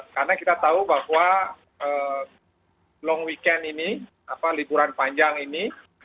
karena kita tahu bahwa long weekend ini liburan panjang ini